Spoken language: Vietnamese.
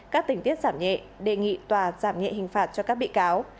các tình tiết giảm nhẹ đề nghị tòa giảm nhẹ hình phạt cho các bị cáo